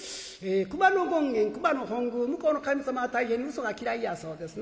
熊野権現熊野本宮向こうの神様は大変にうそが嫌いやそうですな。